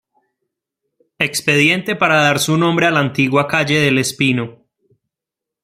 Expediente para dar su nombre a la antigua calle del Espino.